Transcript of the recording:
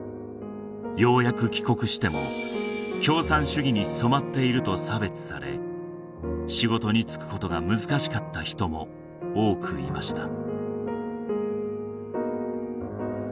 ようやく帰国しても共産主義に染まっていると差別され仕事に就くことが難しかった人も多くいました